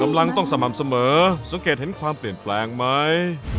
กำลังต้องสม่ำเสมอสังเกตเห็นความเปลี่ยนแปลงไหม